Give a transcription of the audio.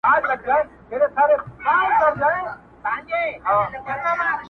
• مور بې حاله کيږي ناڅاپه,